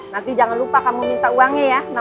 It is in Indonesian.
nanti jangan lupa kamu minta uangnya ya